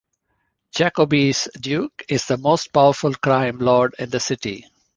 Jacobi's Duke is the most powerful crime lord in the city.